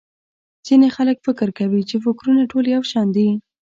ځينې خلک فکر کوي چې٫ فکرونه ټول يو شان دي.